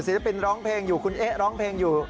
ศิลปินร้องเพลงอยู่คุณเอ๊ะร้องเพลงอยู่